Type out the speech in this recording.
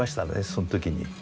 その時に。